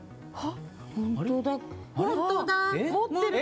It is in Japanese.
本当だ！